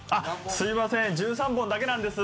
すいません、１３本だけなんです。